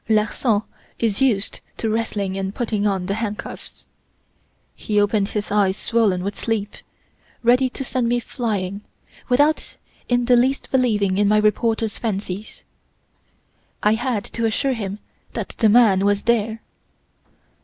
Larsan is used to wrestling and putting on the handcuffs. He opened his eyes swollen with sleep, ready to send me flying, without in the least believing in my reporter's fancies. I had to assure him that the man was there!